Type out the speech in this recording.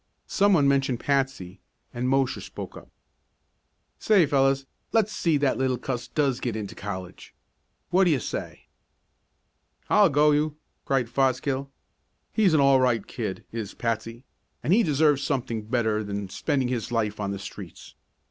Some, one mentioned Patsy, and Mosher spoke up: "Say, fellows, let's see that that little cuss does get into college. What do you say?" "I'll go you!" cried Fosgill. "He's an all right kid, is Patsy, and he deserves something better than spending his life on the streets.